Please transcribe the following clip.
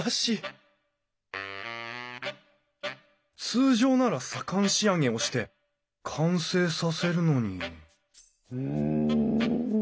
通常なら左官仕上げをして完成させるのにうん？